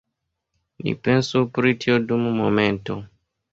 Ni pensu pri tio dum momento.